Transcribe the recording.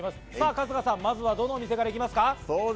春日さん、まずはどの店からいきますか？